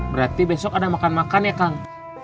berarti besok ada makan makan ya kang